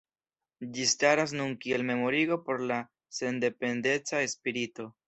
Ĝi staras nun kiel memorigo por la sendependeca spirito.